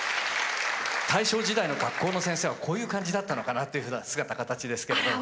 大正時代の学校の先生はこういう感じだったのかなというふうな姿形ですけどね。